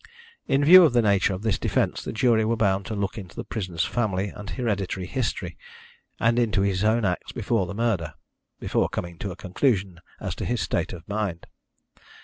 In view of the nature of this defence the jury were bound to look into the prisoner's family and hereditary history, and into his own acts before the murder, before coming to a conclusion as to his state of mind.